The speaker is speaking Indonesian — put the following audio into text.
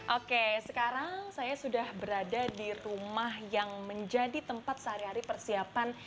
oke sekarang saya sudah berada di rumah yang menjadi tempat sehari hari persiapan